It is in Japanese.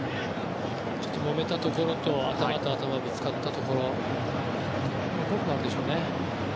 ちょっと、もめたところと頭と頭がぶつかったところ５分はあるでしょうね。